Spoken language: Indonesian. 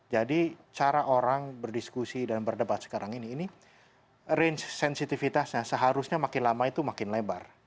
jadi cara orang berdiskusi dan berdebat sekarang ini ini range sensitivitasnya seharusnya makin lama itu makin lebar